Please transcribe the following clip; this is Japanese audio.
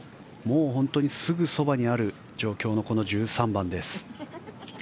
本当にすぐそばにある状況のこの１３番です。